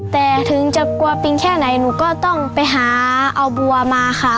แต่ถึงจะกลัวปิงแค่ไหนหนูก็ต้องไปหาเอาบัวมาค่ะ